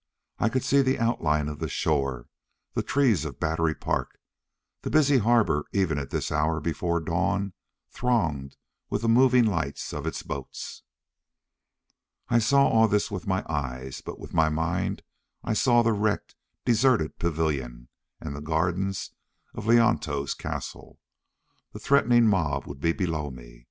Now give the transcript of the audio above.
I could see the outline of the shore, the trees of Battery Park, the busy harbor, even at this hour before dawn, thronged with the moving lights of its boats. I saw all this with my eyes, but with my mind I saw the wrecked, deserted pavilion, and the gardens of Leonto's castle. The threatening mob would be below me.